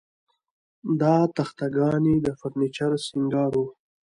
دا تخته ګانې د فرنیچر سینګار و